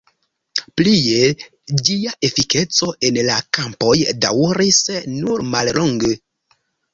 Plie, ĝia efikeco en la kampoj daŭris nur mallonge.